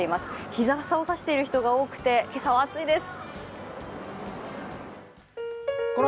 日傘を差している人が多くて今朝は暑いです。